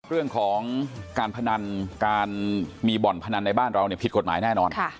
เรื่องของการพนันการมีบ่อนพนันในบ้านเราผิดกฎหมายแน่นอน